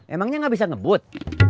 emangnya gak bisa ngebut